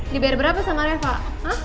dibayar berapa sama tereva hah